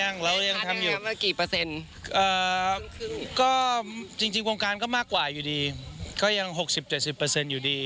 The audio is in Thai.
นันก็มากกว่าอยู่ดีก็ยัง๖๐๗๐อยู่ดี